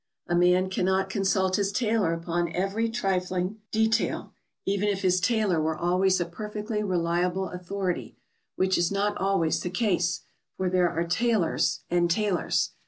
] A man cannot consult his tailor upon every trifling detail, even if his tailor were always a perfectly reliable authority, which is not always the case, for there are tailors and tailors.